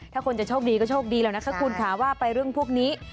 ถ้าคนจะโชคดีก็โชคดีแล้วนะคะคุณค่ะว่าไปเรื่องพวกนี้